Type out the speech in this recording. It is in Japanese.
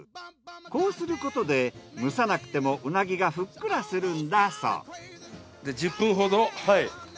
こうすることで蒸さなくてもうなぎがふっくらするんだそう。